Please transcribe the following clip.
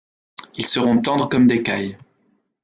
Ils seront tendres comme des cailles